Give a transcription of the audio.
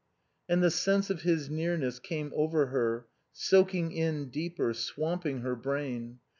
And the sense of his nearness came over her, soaking in deeper, swamping her brain.